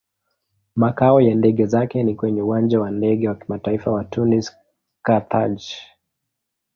Makao ya ndege zake ni kwenye Uwanja wa Ndege wa Kimataifa wa Tunis-Carthage.